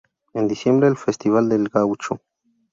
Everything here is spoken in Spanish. En diciembre el Festival del Gaucho.